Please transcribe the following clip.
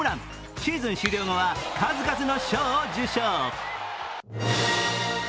シーズン終了後は数々の賞を受賞。